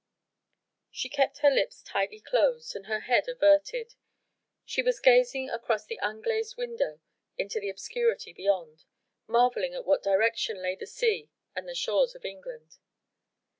She kept her lips tightly closed and her head averted. She was gazing across at the unglazed window into the obscurity beyond, marvelling in what direction lay the sea and the shores of England.